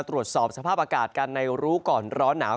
รู้ก่อนร้อนหนาว